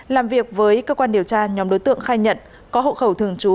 làm việc với cơ quan điều tra nhóm đối tượng khai nhận có hộ khẩu thường trú